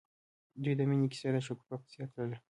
د دوی د مینې کیسه د شګوفه په څېر تلله.